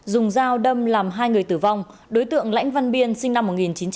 dùng dao đâm làm hai người tử vong đối tượng lãnh văn biên sinh năm một nghìn chín trăm tám mươi